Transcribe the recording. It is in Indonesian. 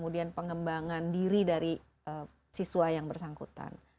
dan pengembangan diri dari siswa yang bersangkutan